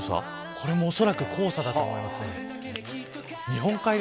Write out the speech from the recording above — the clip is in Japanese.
これもおそらく黄砂だと思います。